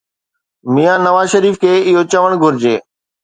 ميان نواز شريف کي اهو چوڻ گهرجي.